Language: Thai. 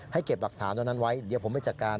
เก็บหลักฐานตรงนั้นไว้เดี๋ยวผมไปจัดการ